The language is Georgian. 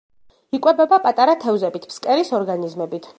იკვებება პატარა თევზებით, ფსკერის ორგანიზმებით.